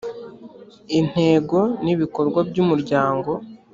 intego n ibikorwa by umuryango